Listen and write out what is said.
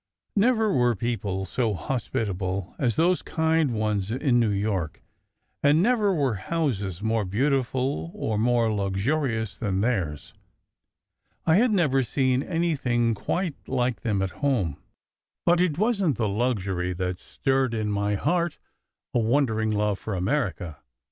Never were people so hospitable as those kind ones in New York, and never were houses more beautiful or more luxurious than theirs. I had never seen anything quite like them at home : but it wasn t the luxury that stirred in my heart a wondering love for America.